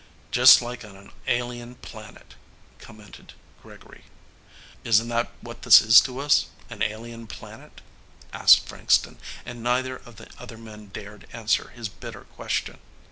"Just like on an alien planet," commented Gregory. "Isn't that what this is to us an alien planet?" asked Frankston, and neither of the other men dared answer his bitter question.